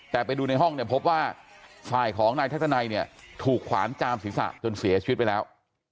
แต่ไปดูในห้องเนี่ยพบว่าฝ่ายของนายทัศนัยเนี่ยถูกขวานจามศีรษะจนเสียชีวิตไปแล้ว